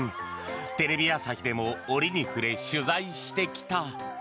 テレビ朝日でも折に触れ取材してきた。